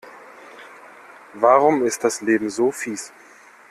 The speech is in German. Warum ist das Leben so fieß?